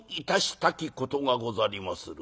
たきことがござりまする。